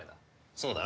そうだな？